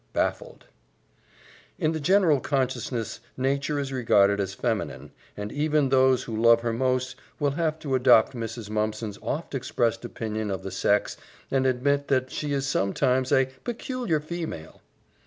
Baffled In the general consciousness Nature is regarded as feminine, and even those who love her most will have to adopt Mrs. Mumpson's oft expressed opinion of the sex and admit that she is sometimes a "peculiar female."